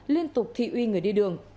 liên tục thị uy người đi đường